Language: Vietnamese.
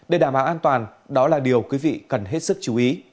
để đảm bảo an toàn đó là điều quý vị cần hết sức chú ý